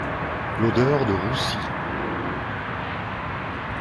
L’odeur de roussi.